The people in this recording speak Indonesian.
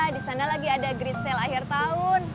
di sana lagi ada great sale akhir tahun